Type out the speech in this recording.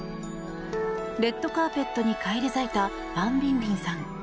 レッドカーペットに返り咲いたファン・ビンビンさん。